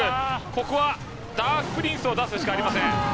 ここはダークプリンスを出すしかありません。